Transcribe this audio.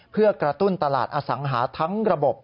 เพื่อกระตุ้นตลาดอสังหาทั้งระบบ